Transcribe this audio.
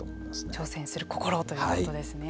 挑戦する心ということですね。